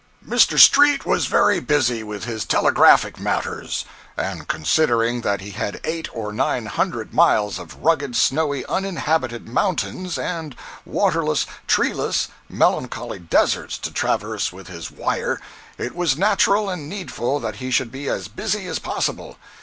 Mr. Street was very busy with his telegraphic matters—and considering that he had eight or nine hundred miles of rugged, snowy, uninhabited mountains, and waterless, treeless, melancholy deserts to traverse with his wire, it was natural and needful that he should be as busy as possible.